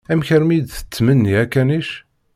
Amek armi i d-tettmenni akanic?